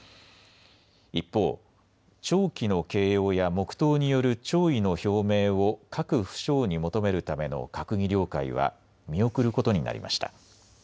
一方、弔旗の掲揚や黙とうによる弔意の表明を各府省に求めるための閣議了解は見送ることになりました。